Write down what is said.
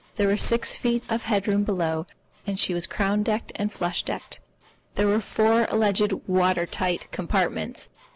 There were six feet of head room below, and she was crown decked and flush decked. There were four alleged water tight compartments.